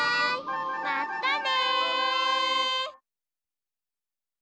まったね！